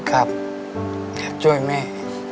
ครับอยากช่วยแม่